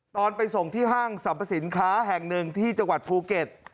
ไปส่งที่ห้างสรรพสินค้าแห่งหนึ่งที่จังหวัดภูเก็ต